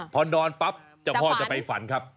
พอนอนปั๊บเจ้าพ่อจะไปฝันครับ